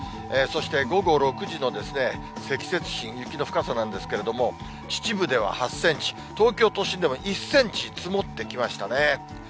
そして午後６時の積雪深、雪の深さなんですけれども、秩父では８センチ、東京都心でも１センチ積もってきましたね。